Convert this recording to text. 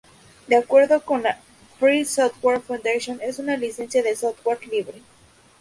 De acuerdo con la Free Software Foundation, es una licencia de software libre.